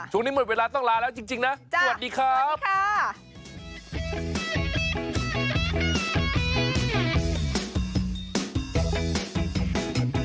ช่วงนี้หมดเวลาต้องลาแล้วจริงนะ